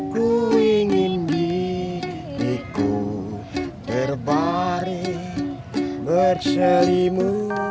ku ingin diriku terbaring percayalimu